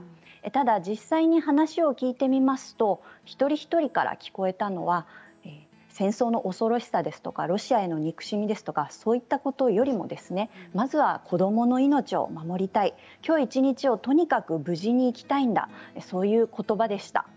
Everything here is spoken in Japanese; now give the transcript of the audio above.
ただ、実際に話を聞いてみますと一人一人から聞こえたのは戦争の恐ろしさですとかロシアへの憎しみですとかそういったことよりもまずは子どもの命を守りたいきょう一日をとにかく無事に生きたいんだそういうことばでした。